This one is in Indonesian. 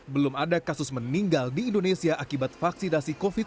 belum ada kasus meninggal di indonesia akibat vaksinasi covid sembilan belas